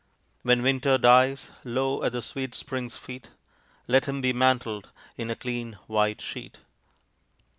When Winter dies, low at the sweet Spring's feet, Let him be mantled in a clean, white sheet.